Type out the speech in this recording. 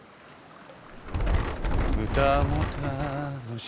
「歌も楽しや」